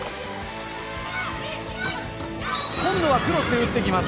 今度はクロスで打ってきます。